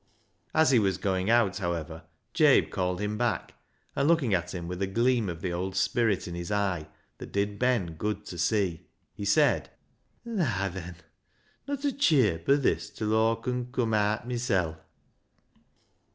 As he was going out, however, Jabe called him back, and, looking at him with a gleam of the old spirit in his eye that did Ben good to see, he said —" Naa, then ! Not a chirp o' this till Aw con cum aat mysel'."